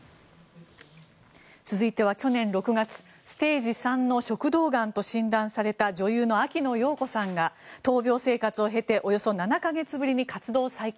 続いては去年６月ステージ３の食道がんと診断された女優の秋野暢子さんが闘病生活を経ておよそ７か月ぶりに活動再開。